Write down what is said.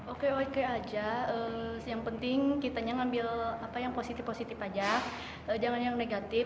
oke oke aja yang penting kitanya ngambil apa yang positif positif aja jangan yang negatif